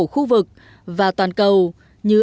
khu vực và toàn cầu như